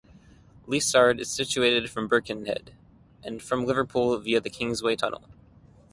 Liscard is situated from Birkenhead, and from Liverpool via the Kingsway Tunnel.